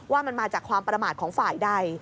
ว่ามันมาจากความประมาทของฝ่ายใด